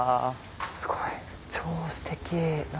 すごい超ステキ何？